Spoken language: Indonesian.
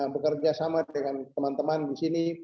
bekerja sama dengan teman teman di sini